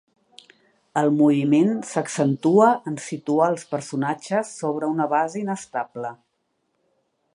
El moviment s'accentua en situar els personatges sobre una base inestable.